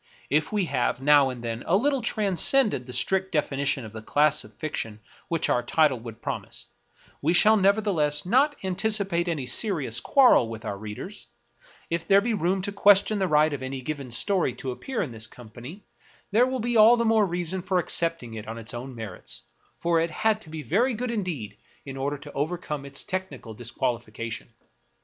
If we have, now and then, a little transcended the strict definition of the class of fiction which our title would promise, we shall never theless not anticipate any serious quarrel with our readers ; if there be room to question the right of any given story 18 Julian Hawthorne to appear in this company, there will be all the more reason for accepting it on its own merits ; for it had to be very good indeed in order to overcome its technical disquali fication.